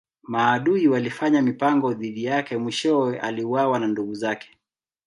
Maadui walifanya mipango dhidi yake mwishowe aliuawa na ndugu zake.